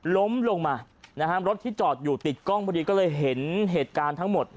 ล้มลงมานะฮะรถที่จอดอยู่ติดกล้องพอดีก็เลยเห็นเหตุการณ์ทั้งหมด